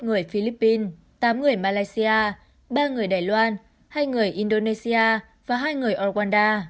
ba trăm bảy mươi một người philippines tám người malaysia ba người đài loan hai người indonesia và hai người uruguay